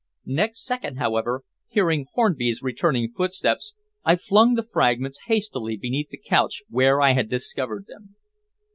Next second, however, hearing Hornby's returning footsteps, I flung the fragments hastily beneath the couch where I had discovered them.